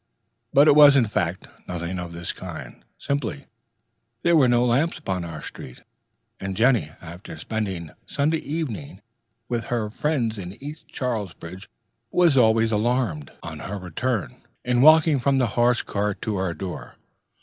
But it was in fact nothing of this kind; simply, there were no lamps upon our street, and Jenny, after spending Sunday evening with friends in East Charlesbridge, was always alarmed, on her return, in walking from the horse car to our door.